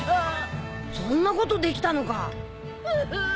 そんなことできたのか。